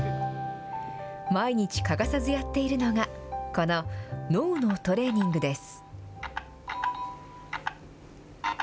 毎日欠かさずやっているのが、この脳のトレーニングです。